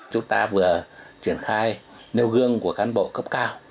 chúng ta vừa triển khai nêu gương của cán bộ cấp cao